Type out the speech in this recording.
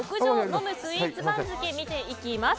飲むスイーツ番付を見ていきます。